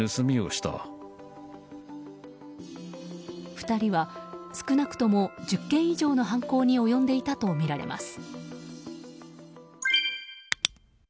２人は少なくとも１０件以上の犯行に及んでいたとみられます。